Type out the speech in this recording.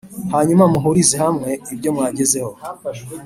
hanyuma muhurize hamwe ibyo mwagezeho.